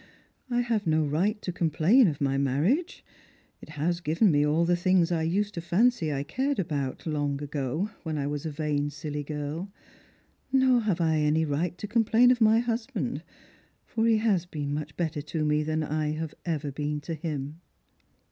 I have no right to complain of my marriage; it has given me all the things I used to fancy I cared about, long ago, when I was a vain silly girl; nor have I any right to complain of my husband, for he has been much better to me than I have ever been to him."